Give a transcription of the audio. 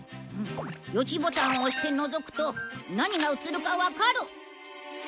予知ボタンを押してのぞくと何が写るかわかる。